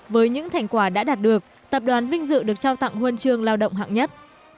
với những thành quả đã đạt được tập đoàn vinh dự được trao tặng huân chương lao động hạng nhất